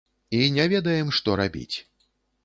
І не ведаем, што рабіць.